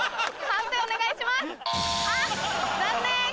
判定お願いします。